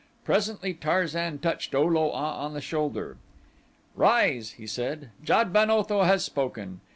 Presently Tarzan touched O lo a on the shoulder. "Rise," he said. "Jad ben Otho has spoken.